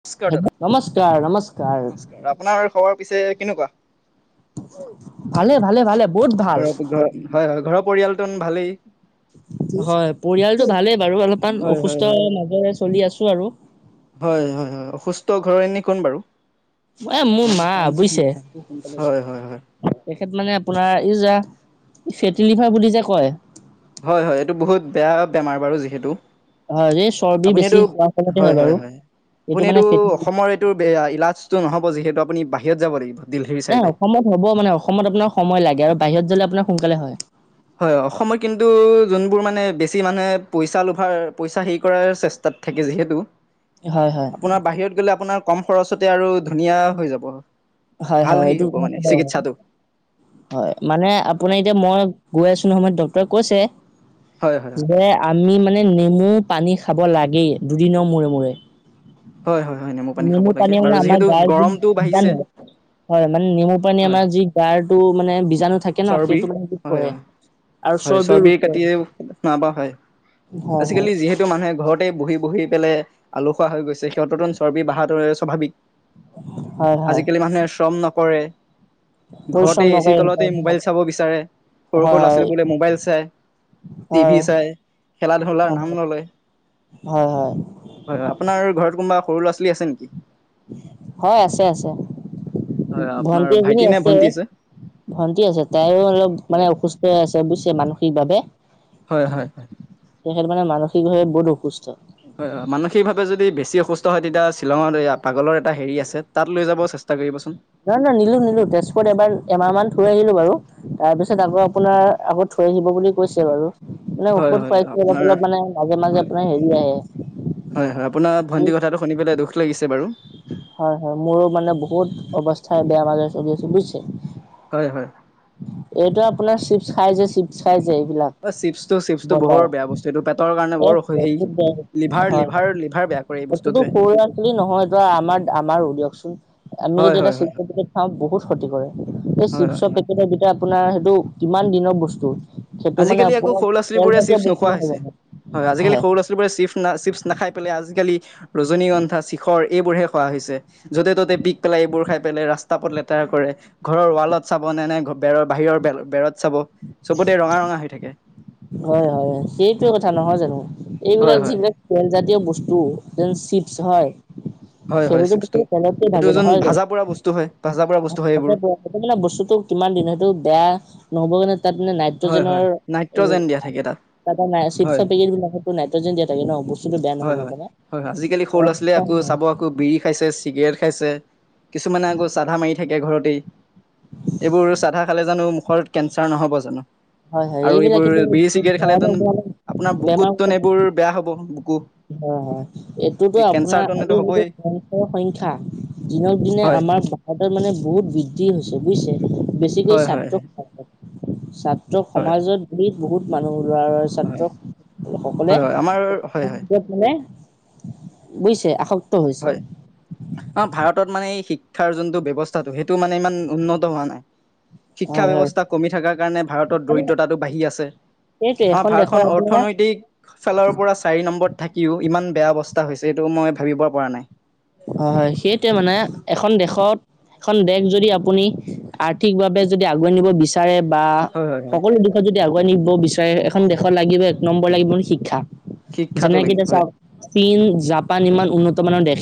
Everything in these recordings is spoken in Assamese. নমস্কাৰ হেল্ল' দাদা নমস্কাৰ নমস্কাৰ নমস্কাৰ আপোনাৰ খবৰ পিছে কেনেকুৱা ভালে ভালে ভালে বহুত ভাল। ঘৰ-ঘৰ হয়-হয় ঘৰৰ পৰিয়ালটো ভালেই। হয় পৰিয়ালটো ভালেই বাৰু অলপমান হয় হয় অসুস্থ হয়। মাজৰে চলি আছো আৰু হয় হয় হয় অসুস্থ ঘৰ এনে কোন বাৰু এ মোৰ মা বুইছে। হয় হয় হয়। মানে আপোনাৰ এই যে ফেটিলিভাৰ বুলি যে কয়। হয় হয় এইটো বহুত বেয়া বেমাৰ বাৰু যিহেতু হয় এই চৰ্বি আপুনি বেছি এইটো খোৱাৰ ফলতে হয় বাৰু হয়-হয়-হয় আপুনি মানে এইটো ফেটি অসমৰ এইটো ইলাজটো নহ'ব যিহেতু আপুনি বাহিৰত যাব লাগিব দিল্লীৰ নাই চাইডে। অসমত হ'ব মানে অসমত আপোনাৰ সময় লাগে আৰু বাহিৰত গলে আপোনাৰ সোনকালে হয় হয় অসমত কিন্তু যোনবোৰ মানে বেছি মানুহে পইচা লোভাৰ পইচা হেৰি কৰাৰ চেষ্টা থাকে যিহেতু হয় হয় আপোনাৰ বাহিৰত গ'লে আপোনাৰ কম খৰচতে আৰু ধুনীয়া হৈ যাব। ভাল হয়-হয় হেৰি এইটো হ'ব মানে চিকিৎসাটো হয় মানে আপোনাৰ এতিয়া মই গৈ আছো নয় ডক্তৰে কৈছে হয় হয় যে আমি মানে মানে নেমু পানী খাব লাগেই দুদিনৰ মূৰে-মূৰে। হয় হয় হয় খাব নেমু লাগে পানী মানে বাৰু আমাৰ যিহেতু গাৰ য গৰমটো বাঢ়িছে নহয় হয় মানে নেমু পানী হয় আমাৰ যি গাৰটো মানে বীজাণু থাকে ন চৰ্বি সেইটো মানে কি হয় কৰে। আৰু হয় চৰ্বিও চৰ্বি ৰোধ কাটি কৰে নাপা হয় হয় হয় আজিকালি যিহেতু মানুহে ঘৰতে বহি বহি পেলাই আলসুৱা হৈ গৈছে সিহঁতন চৰ্বি বাহাটো স্বাভাৱিক হয় হয় আজিকালি মানুহে শ্ৰম নকৰে ঘৰতে পৰিশ্ৰম এচি নকৰে তলতে মোবাইল হয় চাব বিচাৰে সৰু সৰু ল'ৰা ছোৱালী বোলে মোবাইল চাই হয় টিভি চাই খেলা ধূলাৰ নাম নলয় হয় হয় হয় হয় আপোনাৰ ঘৰত কোনোবা সৰু ল'ৰা ছোৱালী আছে নেকি হয় আছে আছে হয় আপোনাৰ ভন্টি এজনী ভাইটি নে আছে ভন্টি ভন্টি আছে তাইয়ো অলপ হয় মানে অসুস্থ হৈ আছে বুইছে মানসিকভাৱে হয় হয় সেইটো মানে মানসিকভাৱে বহুত অসুস্থ হয় হয় মানসিকভাৱে যদি বেছি অসুস্থ হয় তেতিয়া শ্বিলঙৰ পাগলৰ এটা হেৰি আছে তাত লৈ যাব চেষ্টা তাক কৰিবা চোন নহয় নহয় নিলো নিলো তেজপুৰত এবাৰ এমাহ মান থৈ আহিলো বাৰু তাৰপিছত আকৌ আপোনাৰ আগত খ আহিব বুলি কৈছে বাৰু মানে হয় ঔষধ হয় খোৱাছো অলপ আপোনাৰ অলপ মানে মাজে মাজে হয় আপোনাৰ হেৰি হয় হয় হয় আপোনাৰ ভন্টি কথাটো শুনি পেলাই দুখ লাগিছে বাৰু হয় হয় মোৰো মানে বহুত অৱস্থাই বেয়া মাজৰে চলি আছে বুইছে হয় হয় এইটো আপোনাৰ চিপছ খাই যে চিপছ খাই যে অ চিপছটো চিপছটো বৰ বেয়া বস্তু এইটো পেটৰ কাৰণে বৰ অসু হেৰি লিভাৰ লিভাৰ [unintelligible] লিভাৰ বেয়া কৰে এই এটো টো বস্তুটোৱে সৰু ল'ৰা ছোৱালী নহয় তই আমাৰ আমাৰো দিয়কচোন আমি হয় যদি হয় এতিয়া হয় চিখৰ পেকেট খাও বহুত ক্ষতি কৰে হয় হয় চিপচৰ হয়। পেকেটে যেতিয়া আপোনাৰ অঁ, সেইটো কিমান দিনৰ বস্তু? সেইটো মানে আজিকালি আকৌ, আপোনাৰ সৰু ল'ৰা ছোৱালীবোৰে তেলজাতীয় চিপছ বস্তু নোখোৱা নহয় হৈছে। জানো হয় আজিকালি সৰু ল'ৰা ছোৱালীবোৰে চিপছ নাখায়। পেলাই আজালি ৰজনীগন্ধা চিখৰ এইবোৰ হে খোৱা হৈছে য'তে ত'তে পিক পেলাই এইবোৰ খাই পেলাই ৰাস্তা পথ লেতেৰা কৰে ঘৰৰ ৱালত চাব নে নে বেৰৰ বাহিৰৰ বেৰত চাব চবতে ৰঙা ৰঙা হৈ থাকে হয় হয় সেইটোয়ে কথা নহয় জানো হয় এইবিলাক হয় যিবিলাক তেলজাতীয় বস্ [unintelligible] এন চিপছ হয় হয় সে হয় বোৰ যে বস্তু চিপছটো তেলতে এইটো ভাজে যোন নহয় জানো ভাজা পোৰা বস্তু হয় ভাজা পোৰা বস্তু হয় এইবোৰ [unintelligible] বস্তুটো কিমান ইমান দিনেটো বেয়া নহ'ব কাৰণে তাত মানে হয় নাইট্ৰজেনৰ হয় নাইট্ৰজেন দিয়া থাকে তাত তাতে হয় চিপছৰ পেকেট বিলাকতো নাইট্ৰজেন দিয়া থাকে ন বস্তুটো বেয়া হয় হয় নহব হয় হয় আজিকালি সৰু ল'ৰা ছোৱালীয়ে কাৰণে [unintelligible] আকৌ চাব আকৌ বিৰি খাইছে চিগৰেট খাইছে কিছুমানে আকৌ চাধা মাৰি থাকে ঘৰত দেই এইবোৰ চাধা খালে জানো মুখত কেঞ্চাৰ নহ'ব জানো হয় হয় আৰু এইবিলাক কিন্তু এইবোৰে বিৰি বহুত চিগাৰেট খালেতেন ভয়ানক ভয়ানক আপোনাৰ বেমাৰ বুকুততোন এইবোৰ বেয়া হ'ব বুকু হয় হয় এইটোতো এই আপোনাৰ কেঞ্চাৰতোন আৰু এইটো [unintelligible] হ'বই সংখ্যা দিনক দিনে হয় আমাৰ ভাৰতত মানে বহুত বৃদ্ধি হৈছে বুজিছে বেছিকৈ হয় হয় হয় ছাত্ৰসকল ছাত্ৰ হয় সমাজত ধৰি বহুত মানুহ লৰা ছাত্ৰ হয় সকলে হয় হয় আমাৰ হয় হয় [unintelligible] বুইছে আসক হয় অ ভাৰতত মানে এই শিক শিক্ষাৰ যোনটো ব্যৱস্থাটো সেইটো মানে ইমান উন্নত হোৱা নাই শিক্ষা হয় হয় ব্যৱস্থা কমি থাকাৰ কাৰণে ভাৰতত মানে দৰিদ্ৰতাটো বাঢ়ি আছে সেইটোৱে আমাৰ এখন দেশৰ ভাৰতখন আপোনাৰ অৰ্থনৈতিক ফালৰ পৰা চাৰি নম্বৰত থাকিও ইমান বেয়া অৱস্থা হৈছে এইটো মই ভাবিব পৰা নাই আহ হয় সেইটোৱে মানে এখন দেশত এখন দেশ যদি আপুনি আৰ্থিকভাৱে যদি আগুৱাই নিব বিচাৰে বা হয় হয় হয় সকলো দিশত যদি আগুৱাই নিব বিচাৰে এখন দেশত লাগিব এক নম্বৰ লাগিব শিক্ষা শিক্ষাটো যেনেকে লাগি এতিয়া হয় চাওক চীন জাপান ইমান উন্নত মানৰ দেশ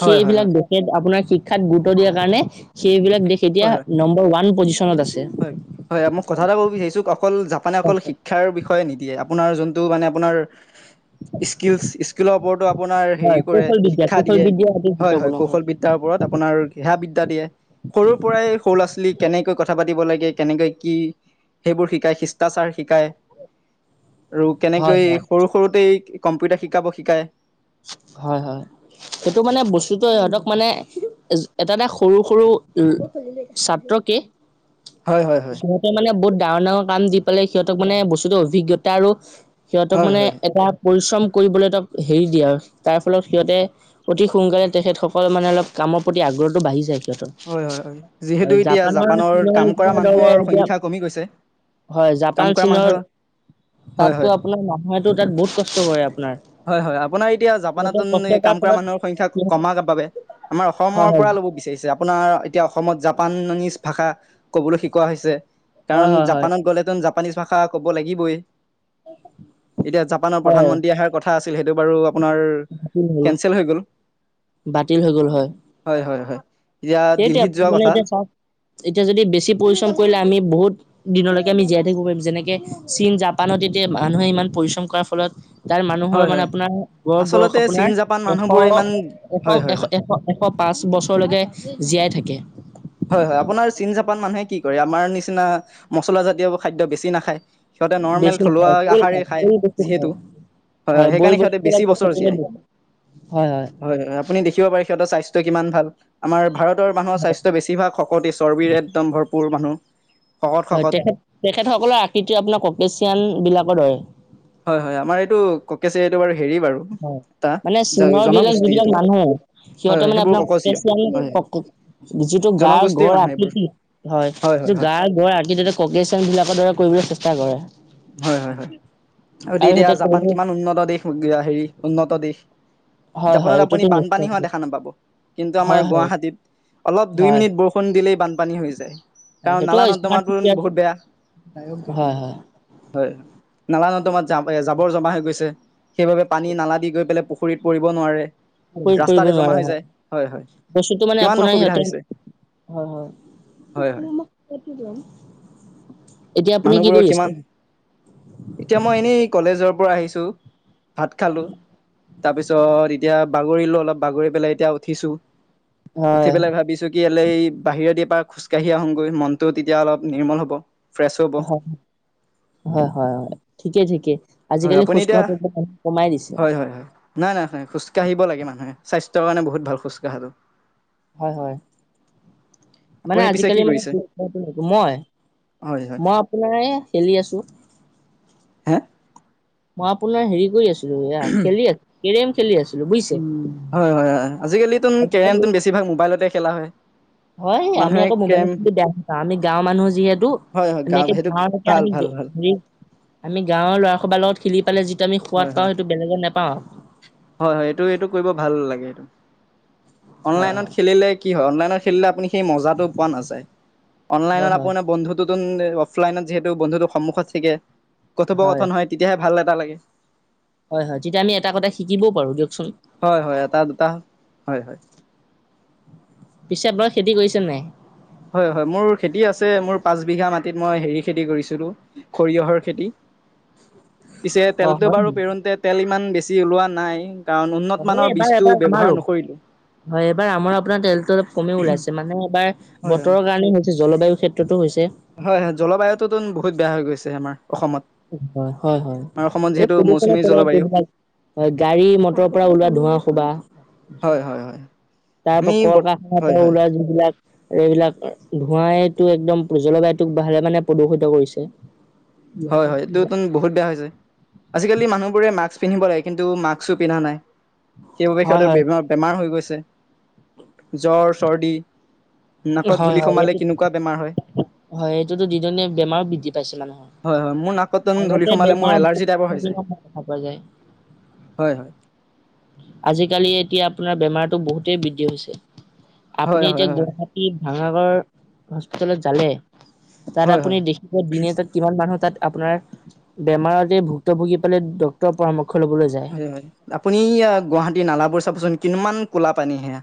হয় হয় সেইবিলাক হয় দেশে আপোনাৰ শিক্ষাত গুৰুত্ব দিয়াৰ কাৰণে সেইবিলাক দেশ এতিয়া হয় হয় নম্বৰ ওৱান পজিচনত আছে হয় হয় মই কথা এটা ক'ব বিচাৰিছো অকল জাপানে অকল শিক্ষাৰ বিষয়ে নিদিয়ে। আপোনাৰ যোনটো মানে আপোনাৰ স্কিলচ স্কিলৰ ওপৰতো আপোনাৰ হেৰি হয় কৰে কৌশল বিদ্যা শিক্ষা কৌশল দিয়ে। বিদ্যা অতি হয় হয় গুৰুত্বপূৰ্ণ কৌশল বিদ্যাৰ ওপৰত আপোনাৰ [unintelligible] বিদ্যা দিয়ে সৰুৰ পৰাই সৰু লৰা ছোৱলীক কেনেক কথা পাতিব লাগে কেনেকৈ কি সেইবোৰ শিকায় শিষ্টাচাৰ শিকায়। আৰু হয় কেনেকৈ হয় সৰু সৰুতে কম্পিউটাৰ শিকাব শিকায়। হয় হয় সেইটো মানে বস্তুতটো ইহঁতক মানে এটা এটা সৰু সৰু উম, ছাত্ৰকে হয় হয় হয় সিহঁতে মানে বুদ ডাঙৰ ডাঙৰ কাম দি পালে সিহঁতক মানে বস্তুতৰ অভিজ্ঞতা আৰু সিহঁতক হয় মানে হয় এটা পৰিশ্ৰম কৰিবলৈ তাক হেৰি দিয়ে আৰু। তাৰ ফলত সিহঁতে অতি সোনকালে তেখেত সকল মানে অলপ কামৰ প্ৰতি আগ্ৰহতটো বাঢ়ি যায়। হয় হয় হয় আৰু যিহেতু এতিয়া জাপানৰ চীনৰ কাম কৰা নিচিনাৰ দৰে মানুহৰ এতিয়া। সংখ্যা কমি গৈছে হয় কাম জাপান কৰা চীনৰ, মানুহ হয় তাতো হয় আপোনাৰ মানুহেতো তাত বহুত কষ্ট কৰে আপোনাৰ। হয় হয় আপোনাৰ এতিয়া সিহঁতে জাপানতন কষ্ট কৰাৰ কাম কৰা ফলত মানুহৰ সংখ্যা কমাৰ বাবে আমাৰ অসমৰ হয় পৰা ল'ব বিচাৰিছে আপোনাৰ এতিয়া অসমত জাপান নীজ ভাষা কবলৈ শিকোৱা হৈছে কাৰণ হয় হয় হয় হয় জাপানত গলে জা জাপানীজ ভাষা ক'ব লাগিবই, এতিয়া জাপানৰ হয় প্ৰধানমন্ত্ৰী আহাৰ কথা আছিল সেইটো বাৰু আপোনাৰ বাতিল হ'ল কেন্চেল হৈ গ'ল, বাতিল হৈ গ'ল হয় হয় হয় হয়। এতিয়া সেইটোৱে দিল্লীত আৰ যোৱা মানে কথা এতিয়া চাওক এতিয়া যদি বেছি পৰিশ্ৰম কৰিলে আমি বহুত দিনলৈকে আমি জীয়াই থাকিব পাৰিম যেনেকে চীন জাপানত এতিয়া মানুহে ইমান পৰিশ্ৰম কৰাৰ ফলত তাত মানুহৰ হয় মানে হয় আপোনাৰ গ বয়স আচলতে চীন আপোনাৰ জাপান এশ মানুহবোৰে ইমান হয় হয় এশ হয় এ এশ এশ পাঁচ বছৰলৈকে জীয়াই থাকে। হয় হয় আপোনাৰ চীন জাপান মানুহে কি কৰে আমাৰ নিচিনা মচলা জাতীয় খাদ্য বেছি নাখায় সিহঁতে নৰ্মেল বেছি থলুৱা নাখায় বইল আহাৰেই খায় বইল বেছি যিহেতু খায় হয়- হয় বইল সেইকাৰণে সিহঁতে বস্তু বেছি বছৰ জীয়াই, তেখেতসকলে হয় হয় হয়-হয় আপুনি দেখিব পাৰে সিহঁতৰ স্বাস্থ্য কিমান ভাল আমাৰ ভাৰতৰ মানুহৰ স্বাস্থ্য বেছিভাগ শকতি চৰ্বিৰৰে একদম ভৰপ সৰু মানুহ শকত হয় শকত তেখেত তেখেতসকলৰ আকৃতি আপোনাৰ কপেচিয়ান বিলাকৰ দৰে হয় হয় আমাৰ এইটো ককছে এইটো বাৰু হেৰি বাৰু হয়, এটা মানে জ- চীনৰ বিলাক জনগোষ্ঠী এইটো যিবিলাক মানুহ হয় সিহঁতে হয় মানে সেইবোৰ আপোনাৰ ককচীয়া হয় হয় অিয় যি গাৰ জনগোষ্ঠীৰ গড় মানুহ এইবোৰ আকৃতি হয় যিটো গাৰ গড় আকৃতিতে ককেশ চং বিলাকৰ দৰে কৰিবলৈ চ এা কৰে হয় হয় হয় আৰু দে দিয়া সিহঁতে জাপান কৰিব কিমান উন্নত দেশ হেৰি উন্নত দেশ হয় হয় জাপানত আপুনি এইটোতো বানপানী নিশ্চয় হোৱা দেখা নাপাব কিন্তু আমাৰ হয় হয় গুৱাহাটীত অলপ দুই হয় মিনিট বৰষুণ দিলেই বানপানী হৈ যায়। হয় কাৰণ সেইটো নালা নৰ্দমাৰটো বহুত বেয়া হয় হয় হয় নালা নন্দমাত তোমাৰ জাবৰ জমা হৈ গৈছে সেইবাবে পানী নালা দি গৈ পেলাই পুখুৰীত পৰিব নোৱাৰে [unintelligible] কৰিব ৰাস্তাতে জমা নোৱাৰে হৈ হয় যায় হয় হয় বস্তুটো মানে কিমান আপোনাৰ অসুবিধা সিহঁতে হৈছে হয়- হয়। হয় হয় এতিয়া আপুনি কি মানুহবোৰৰ কৰি কিমান আছে। এতিয়া মই এনেই কলেজৰ পৰা আহিছোঁ ভাত খালো তাৰ পিছত এতিয়া বাগৰিলো অলপ বাগৰি পেলাই এতিয়া উঠিছো হয় উঠি পেলাই ভাবিছো কি বাহিৰত পৰা খোজ কাঢ়ি আহোঁগৈ মনতটো তেতিয়া অলপ নিৰ্মল হ'ব ফ্ৰেছ হ'ব। হয় হয় হয় হয় ঠিকে ঠিকে হয় আজিকালি আপুনি খোজ এতিয়া কঢ়াটো কমাই দিছে হয় হয় হয় নাই নাই নাই খোজ কাঢ়িব লাগে মানুহে স্বাস্থ তেওঁৰ কাৰণে বহুত ভাল খোজকাঢ়াটো। হয় হয় মানে আপুনি পিছে আজিকালি কি মানে কৰিছে মই হয় হয় মই আপোনাৰে খেলি আছো হে মই আপোনাৰ হেৰি কৰি আছিলো এয়া খেলি আ কেৰেম খেলি আছিলো বুইছ হয় হয় হয় আজিকালিতো আজিকালি কেৰমটো বেছিভাগ মোবাইলতে খেলা হয় হয়, আমি মানুহে আকৌ কেৰম মোবাইলত [unintelligible] বেয়া নাপাওঁ আমি গাঁৱ মানুহ যিহেতু। হয় হয় আমি গাঁও সেইটো গাঁৱলৈকে ভাল আমি ভাল ভাল হয় আমি গাঁৱৰ ল'ৰা সোপা লগত খিলি পেলে যিটো আমি সোৱাদ পাওঁ সেইটো বেলেগে নেপাওঁ আৰু। হয়-হয় এইটো-এইটো কৰিব ভাল লাগে, হয় অনলাইনত খেলিলে কি হয় অনলাইন হয় হয় লত যিহেতু বন্ুন্ত থ হয় হয়তিয়া ভাল এটা লাগে। হয়- হয় তেতিয়া আমি এটা কথা শিকিবও পাৰো দিয়কচোন। হয় হয় এটা দুটা হয় হয় পিছে পৰে খেতি কৰিছে নাই হয়- হয় মোৰ খেতি আছে মোৰ পাঁচ বিঘা মাটিত মই হেৰি খেতি কৰিছিলোঁ সৰিয়হৰ খেতি। [unintelligible] পিছে অ তেলতটো হয় বাৰু পেৰুোতে তেল ইমান বেছি ওলোৱা নাই কাৰণ উন্নত অ মানৰ এবাৰ বীজটো এবাৰ ব্যৱহাৰ আমাৰো নকৰিলো হয়, এইবাৰ আমৰ আপোনাৰ তেলটো অলপ কমেই ওলাইছে মানে এবাৰ হয় হয় বতৰৰ কাৰণে হৈছে জলবায়ু ক্ষেত্ৰতো হৈছে। হয় হয়, জলবায়ুটোতো বহুত বেয়া হৈ গৈছে আমাৰ। অসমত হয় - হয় - হয় আমাৰ অসমত এই যিহেতু প্ৰদূষণে মৌচুমী জলবায়ু হয় গাড়ী মটৰৰ পৰা ওলোৱা ধোৱা খোবা। হয় - হয় - হয়। তাৰ আমি পৰা কল বত কাৰখানাৰ হয় পৰা হয় ওলাই যোনবিলাক আৰু এইবিলাক ধোৱাইটো একদম জলবায়ুটোক ভালে মানে প্ৰদূষিত কৰিছে। হয় ইহতৰ হয় বহুত বেয়া হৈছে, আজিকালি মানুহ বোৰে মাস্ক পিন্ধিব লাগে কিন্তু মাস্কো পিন্ধা নাই। সেইবাবে হয় সিহতৰ হয় বেম বেমাৰ হৈ গৈছে জ্বৰ চৰ্দি নাকত হয় ধূলি হয় সোমালে এইটো কেনেকুৱা বেমাৰ হয় হয় এইটোতো দিদনীয়া বেমাৰো বৃদ্ধি পাইছে মানুহৰ। হয় হয়, মোৰ নাকত ধূলি আগতে সোমালে মোৰ বেমাৰ এলাৰ্জি টাইপৰ বহুত হৈ যায়। দিনৰ পৰা দেখা পোৱা যায়। হয় - হয়। আজিকালি এতিয়া আপোনাৰ বেমাৰতটো বহুতেই বৃদ্ধি হৈছে আপুনি হয় হয় এতিয়া হয় হয় গুৱাহা টী ভাঙাগৰ হস্পিতেলত জালে তাত হয় আপুনি হয় দেখিব দিনে তাত কিমান মানুহ তাত আপোনাৰ বেমাৰতে ভুক্তভুগী পালে ডক্তৰৰ পৰামৰ্শ। লবলৈ যায়। হয় হয়, আপুনি গুৱাহাটী নালাবোৰ চাবচোন কিমান কলা পানী হেয়া।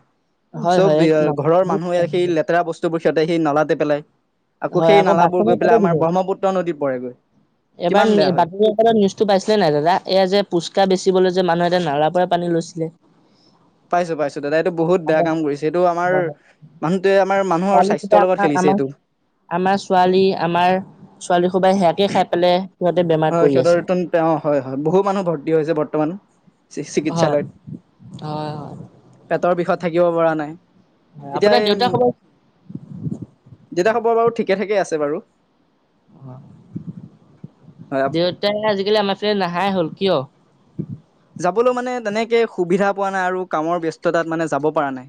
হয় চব হয় এক ন ঘৰৰ মানুহে সেই লেতেৰা বস্তুবোৰ সিহঁতে সেই নালাতে পেলাই। আকৌ হয় সেই নালাবোৰ বাথৰুমৰ গৈ পাতে পেলাই আমাৰ ধুৱে ব্ৰহ্মপুত্ৰ নদীত পৰেগৈ কিমান এবাৰ বেয়া হয় বাতৰিৰ নিউজটো পাইছিলে নাই দাদা এইয়া যে পুচ কা বেচিবলৈ যে মানুহ এটা নালাৰ পৰা পানী লৈছিলে। পাইছো পাইছো দাদা এইটো বহুত বেয়া হয় কাম কৰিছে এইটো আমাৰ হয় মানুহটোৱে আমাৰ মানুহৰ ছোৱালী কেইটা স্বাস্থ্যৰ লগত আমাৰ খেলিছে আমাৰ এইটো আমাৰ ছোৱালী আমাৰ ছোৱালী খোবাই সেয়াকে খাই পেলাই সিহঁতে বেমাৰ হয় পৰি সিহঁতৰ আছে। অ হয় হয় বহু মানুহ ভৰ্তি হৈছে বৰ্তমান হয় চিকিৎসালয়ত, হয় হয় পেটৰ বিষত থাকিব পৰা নাই। এতিয়া আপোনাৰ এই দেউতা খবৰ দেউতাৰ খবৰ বাৰু ঠিকে- ঠিকে আছে বাৰু। অ, হয় দেউতাই আজিকালি আমাৰ যে নাহাই হ'ল কিয়। যাবলৈ মানে তেনেকে সুবিধা পোৱা নাই আৰু কামৰ ব্যস্ততাত মানে যাব পৰা নাই।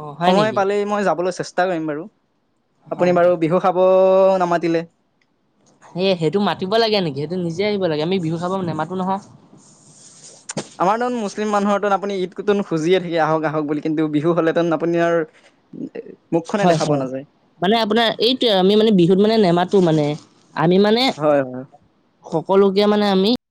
অ হয় সময় নেকি? পালেই মই যাবলৈ চেষ্টা কৰিম বাৰু, হয় আপুনি বাৰু হয়। বিহু খাব নামাতিলে। সে সেইটো মাতিব লাগে নেকি সেইটো নিজে আহিব লাগে আমি বিহু খাব নেমাতো নহয়। আমাৰ তন মুছলিম মানুহৰতোন আপুনি ঈদ কুতন খুজিয়ে থাকে আহক আহক বুলি কিন্তু বিহু হলেতোন আপুনি আৰু মুখখনে হয় দেখা পোৱা হয়, নাযায়। মানে আপোনাৰ এইটো আমি মানে বিহুত মানে নেমাতো মানে। আমি মানে হয় হয়। সকলোকে মানে আমি